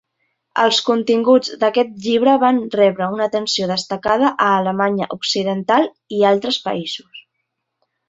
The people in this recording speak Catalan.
Els continguts d'aquest llibre van rebre una atenció destacada a l'Alemanya Occidental i altres països.